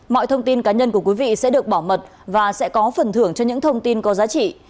mọi thông tin cá nhân của quý vị sẽ được bảo mật và sẽ có phần thưởng cho những thông tin có giá trị